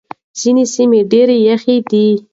ځينې سيمې ډېرې يخې دي.